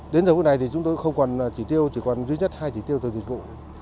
đến giờ hôm nay thì chúng tôi không còn chỉ tiêu chỉ còn duy nhất hai chỉ tiêu tàu dịch vụ